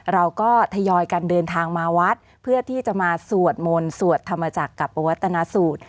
เราก็ทยอยกันเดินทางมาวัดเพื่อที่จะมาสวดมนต์สวดธรรมจักรกับปวัตนสูตร